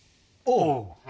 おう。